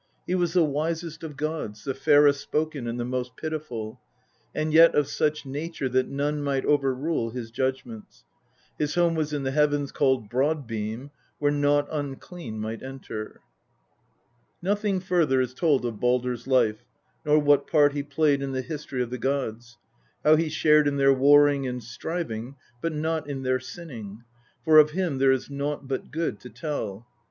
He was the wisest of gods, the fairest spoken and the most pitiful, and yet of such nature that none might overrule his judgments. His home was in the heavens called Broad beam, where nought unclean might enter." Nothing further is told of Baldr's life, nor what part he played in the history of the gods; how he shared in their warring and striving, but not in their sinning ; for of him " there is nought but good to tell."